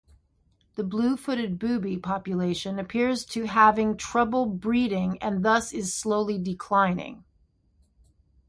The blue-footed booby population appears to having trouble breeding and thus is slowly declining.